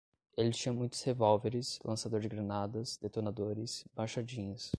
Ele tinha muitos revólveres, lançador de granadas, detonadores, machadinhas